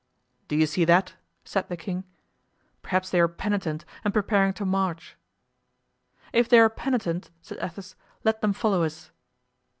"Do you see that?" said the king. "Perhaps they are penitent and preparing to march." "If they are penitent," said Athos, "let them follow us."